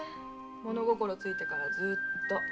もの心ついてからずっと。